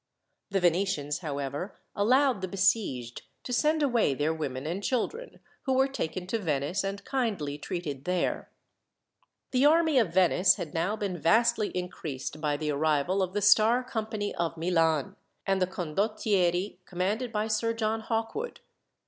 The Venetians, however, allowed the besieged to send away their women and children, who were taken to Venice and kindly treated there. The army of Venice had now been vastly increased, by the arrival of the Star Company of Milan, and the Condottieri commanded by Sir John Hawkwood.